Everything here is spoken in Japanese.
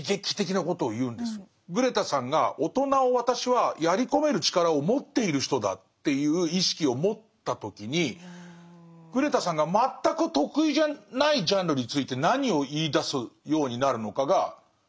グレタさんが大人を私はやり込める力を持っている人だっていう意識を持った時にグレタさんが全く得意じゃないジャンルについて何を言いだすようになるのかが。